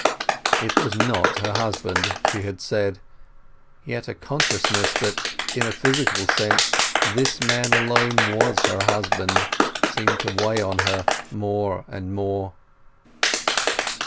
It was not her husband, she had said. Yet a consciousness that in a physical sense this man alone was her husband seemed to weigh on her more and more.